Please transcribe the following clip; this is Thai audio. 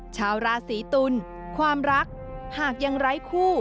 ชาวราศีตุลความรักหากยังไร้คู่